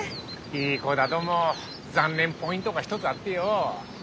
いい子だども残念ポイントが１つあってよ。